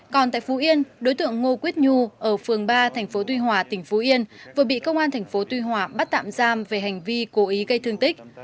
còn tại phú yên đối tượng ngô quyết nhu ở phường ba tp tuy hòa tỉnh phú yên vừa bị công an tp tuy hòa bắt tạm giam về hành vi cố ý gây thương tích